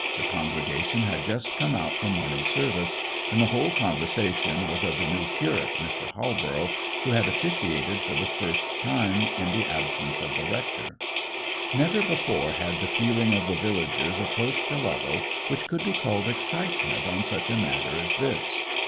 The congregation had just come out from morning service, and the whole conversation was of the new curate, Mr. Halborough, who had officiated for the first time, in the absence of the rector. Never before had the feeling of the villagers approached a level which could be called excitement on such a matter as this.